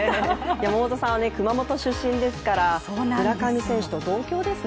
山本さんは熊本出身ですから、村上選手と同郷ですね。